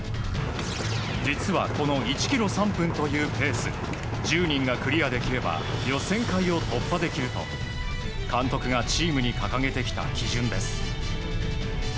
実はこの１ｋｍ３分というペース１０人がクリアできれば予選会を突破できると監督がチームに掲げてきた基準です。